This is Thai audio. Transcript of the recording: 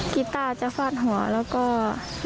กีตาร์จะฟาดหัวแล้วก็มีดค่ะ